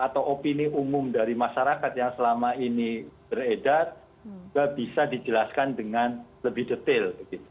atau opini umum dari masyarakat yang selama ini beredar juga bisa dijelaskan dengan lebih detail